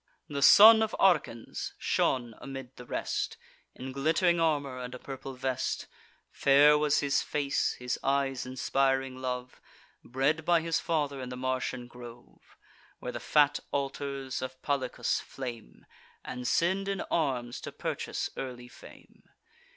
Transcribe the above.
The son of Arcens shone amid the rest, In glitt'ring armour and a purple vest, (Fair was his face, his eyes inspiring love,) Bred by his father in the Martian grove, Where the fat altars of Palicus flame, And send in arms to purchase early fame.